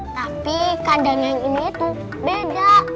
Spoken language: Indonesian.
tapi kandang yang ini tuh beda